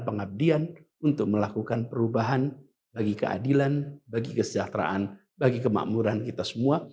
pengabdian untuk melakukan perubahan bagi keadilan bagi kesejahteraan bagi kemakmuran kita semua